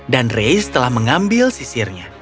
dan reis telah mengambil sisirnya